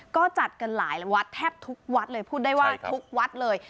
ก็จัดกันหลายวัดแทบทุกวัดเลยพูดได้ว่าทุกวัดเลย